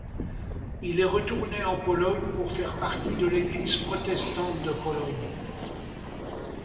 Il est retourné en Pologne pour faire partie de l' Église protestante de Pologne.